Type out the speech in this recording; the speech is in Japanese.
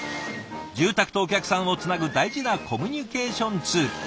住宅とお客さんをつなぐ大事なコミュニケーションツール。